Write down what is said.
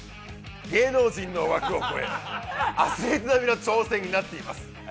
芸能人の枠を超え、アスリート並みの挑戦になっています。